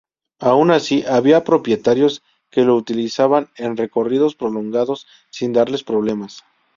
Aun así, había propietarios que lo utilizaban en recorridos prolongados sin darles problemas.